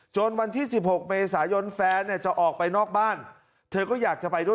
วันที่๑๖เมษายนแฟนเนี่ยจะออกไปนอกบ้านเธอก็อยากจะไปด้วย